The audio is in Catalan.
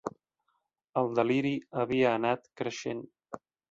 El deliri havia anat creixent